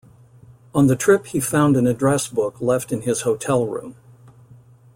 On the trip he found an address book left in his hotel room.